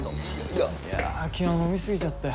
いや昨日飲み過ぎちゃって。